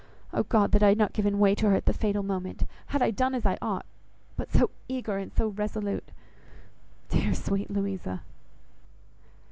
"Oh God! that I had not given way to her at the fatal moment! Had I done as I ought! But so eager and so resolute! Dear, sweet Louisa!"